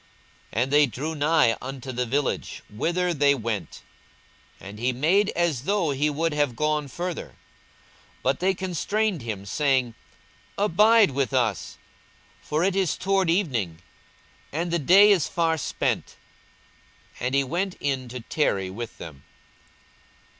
42:024:028 And they drew nigh unto the village, whither they went: and he made as though he would have gone further. 42:024:029 But they constrained him, saying, Abide with us: for it is toward evening, and the day is far spent. And he went in to tarry with them.